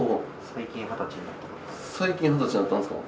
最近二十歳になったんですか？